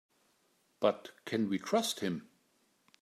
But can we trust him?